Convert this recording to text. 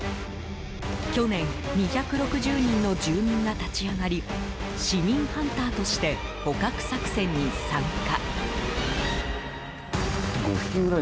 去年２６０人の住民が立ち上がり市民ハンターとして捕獲作戦に参加。